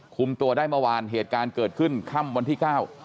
คุมตัวได้เมื่อวานเหตุการณ์เกิดขึ้นค่ำวันที่เก้า